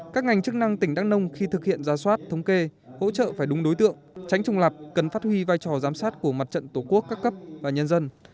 các ngành chức năng tỉnh đắk nông khi thực hiện giá soát thống kê hỗ trợ phải đúng đối tượng tránh trùng lập cần phát huy vai trò giám sát của mặt trận tổ quốc các cấp và nhân dân